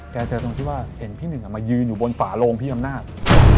เจอตรงที่ว่าเห็นพี่หนึ่งมายืนอยู่บนฝาโลงพี่อำนาจ